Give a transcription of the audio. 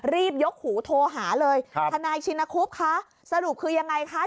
รีบยกหูโทรหาเลยทนายชินคุบคะสรุปคือยังไงคะ